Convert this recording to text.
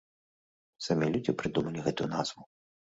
Самі людзі прыдумалі гэтую назву.